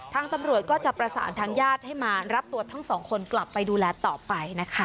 ทางตำรวจก็จะประสานทางญาติให้มารับตัวทั้งสองคนกลับไปดูแลต่อไปนะคะ